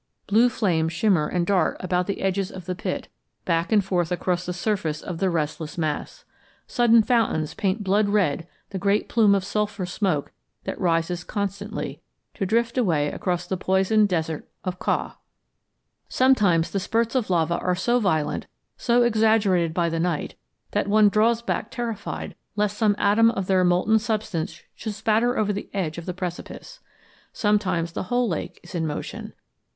Blue flames shimmer and dart about the edges of the pit, back and forth across the surface of the restless mass. Sudden fountains paint blood red the great plume of sulphur smoke that rises constantly, to drift away across the poisoned desert of Kau. Sometimes the spurts of lava are so violent, so exaggerated by the night, that one draws back terrified lest some atom of their molten substance should spatter over the edge of the precipice. Sometimes the whole lake is in motion.